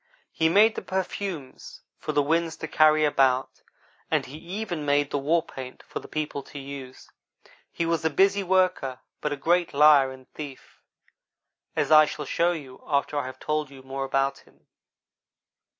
He made the perfumes for the winds to carry about, and he even made the war paint for the people to use. He was a busy worker, but a great liar and thief, as I shall show you after I have told you more about him.